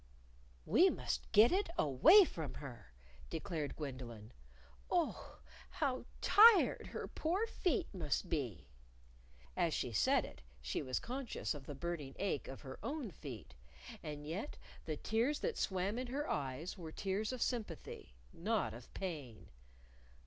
"We must get it away from her," declared Gwendolyn. "Oh, how tired her poor feet must be!" (As she said it, she was conscious of the burning ache of her own feet; and yet the tears that swam in her eyes were tears of sympathy, not of pain.)